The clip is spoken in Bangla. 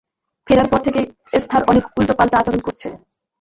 ফেরার পর থেকেই এস্থার অনেক উল্টোপাল্টা আচরণ করছে।